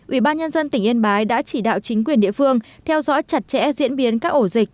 ủy ban nhân dân tỉnh yên bái đã chỉ đạo chính quyền địa phương theo dõi chặt chẽ diễn biến các ổ dịch